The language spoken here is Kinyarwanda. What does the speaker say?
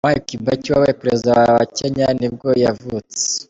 Mwai Kibaki, wabaye perezida wa wa Kenya nibwo yavutse.